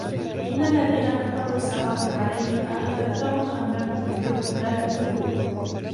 إِنَّ الَّذِينَ كَفَرُوا سَوَاءٌ عَلَيْهِمْ أَأَنذَرْتَهُمْ أَمْ لَمْ تُنذِرْهُمْ لَا يُؤْمِنُونَ